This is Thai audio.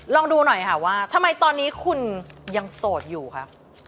ลองดูหน่อยค่ะว่าทำไมตอนนี้คุณยังโสดอยู่ครับ